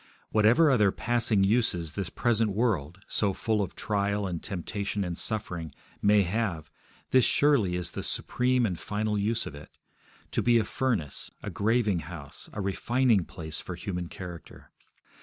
Whatever other passing uses this present world, so full of trial and temptation and suffering, may have, this surely is the supreme and final use of it to be a furnace, a graving house, a refining place for human character.